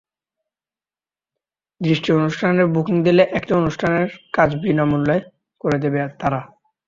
দুটি অনুষ্ঠানের বুকিং দিলে একটি অনুষ্ঠানের কাজ বিনা মূল্যে করে দেবে তারা।